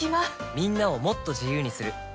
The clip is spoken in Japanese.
みんなをもっと自由にする「三菱冷蔵庫」